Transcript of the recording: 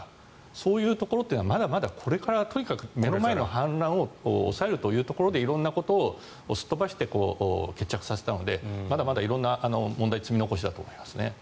そういうところというのはまだまだ、これからとにかく目の前の反乱を抑えるというところで色んなことをすっ飛ばして決着させたのでまだまだ色んな問題が積み残しだと思いますね。